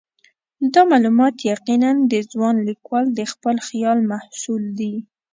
دا معلومات یقیناً د ځوان لیکوال د خپل خیال محصول دي.